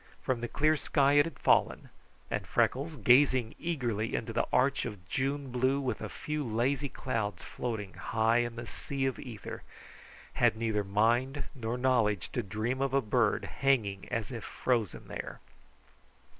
From the clear sky it had fallen, and Freckles, gazing eagerly into the arch of June blue with a few lazy clouds floating high in the sea of ether, had neither mind nor knowledge to dream of a bird hanging as if frozen there.